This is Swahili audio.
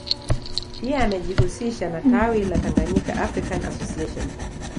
Pia amejihusisha na tawi la Tanganyika African Association